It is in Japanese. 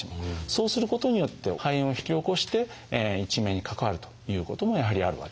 そうすることによって肺炎を引き起こして一命に関わるということもやはりあるわけです。